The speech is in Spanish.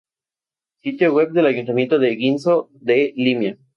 Sitio web del ayuntamiento de Ginzo de Limia.